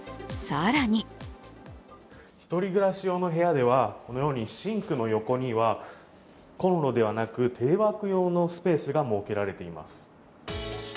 更に１人暮らし用の部屋ではこのようにシンクの横にはコンロではなく、テレワーク用のスペースが設けられています。